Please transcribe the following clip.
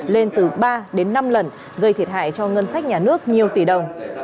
lên từ ba đến năm lần gây thiệt hại cho ngân sách nhà nước nhiều tỷ đồng